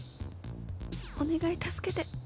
お願い助けて。